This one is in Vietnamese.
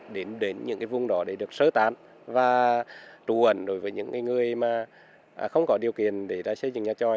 đến những cái vùng đó để được sơ tán và trụ ẩn đối với những người mà không có điều kiện để xây dựng nhà trôi